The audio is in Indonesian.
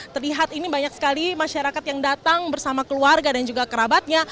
terlihat ini banyak sekali masyarakat yang datang bersama keluarga dan juga kerabatnya